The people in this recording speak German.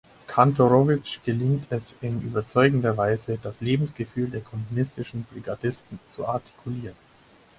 Kantorowicz gelingt es in überzeugender Weise, das Lebensgefühl der kommunistischen Brigadisten zu artikulieren.